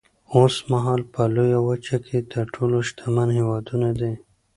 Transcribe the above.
اوسمهال په لویه وچه کې تر ټولو شتمن هېوادونه دي.